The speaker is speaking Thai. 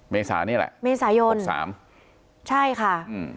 เมษานี่แหละเมษายนสามใช่ค่ะอืม